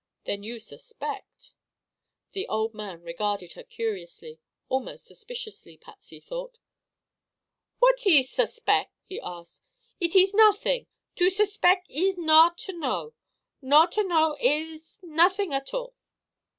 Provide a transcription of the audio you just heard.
"Then you suspect." The old man regarded her curiously; almost suspiciously, Patsy thought. "What ees suspec'?" he asked. "It ees nothing. To suspec' ees not to know. Not to know ees—nothing at all."